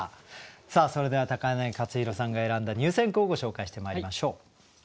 さあそれでは柳克弘さんが選んだ入選句をご紹介してまいりましょう。